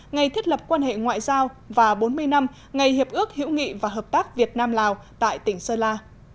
ngày thiết lập quan hệ ngoại giao và bốn mươi năm ngày hiệp ước hữu nghị và hợp tác việt nam lào tại tỉnh sơn la